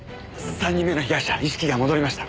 ３人目の被害者意識が戻りました。